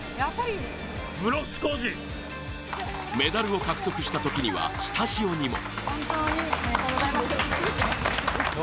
メダルを獲得したときにはスタジオにも。